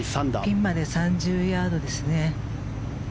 ピンまで３０ヤードですね。